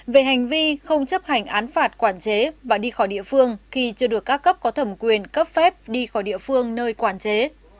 về hành vi không chấp hành án phạt quản chế và đi khỏi địa phương khi chưa được các cấp có thẩm quyền cấp phép đi khỏi địa phương nơi quản chế